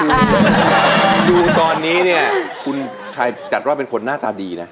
อยู่ตอนนี้เนี่ยคุณชายจัดว่าเป็นคนหน้าตาดีนะ